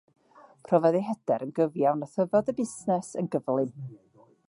Profodd ei hyder yn gyfiawn a thyfodd y busnes yn gyflym.